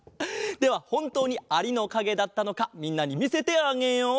ではほんとうにアリのかげだったのかみんなにみせてあげよう。